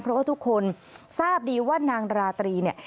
เพราะว่าทุกคนทราบดีว่านางราตรีเนี่ย